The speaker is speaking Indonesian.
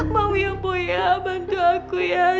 mau ya boy tolong bantu aku ya siapa lagi